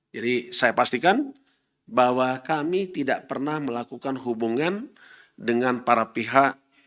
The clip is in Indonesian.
jadi saya pastikan bahwa kami tidak pernah melakukan hubungan dengan para pihak